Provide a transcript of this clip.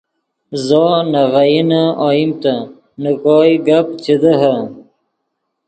زو نے ڤئینے اوئیمتے نے کوئے گپ چے دیہے